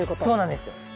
そうなんですよ。